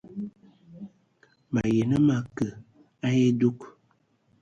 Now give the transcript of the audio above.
Mayi nə ma kə a edug.